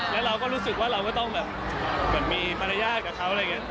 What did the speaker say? แล้วเราก็รู้สึกว่าเราก็ต้องแบบแบบมีปริญญาติกับเขาอะไรอย่างนี้